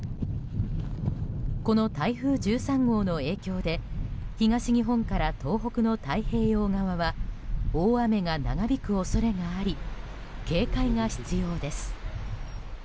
この台風１３号の影響で東日本から東北の太平洋側は大雨が長引く恐れがあり警戒が必要です。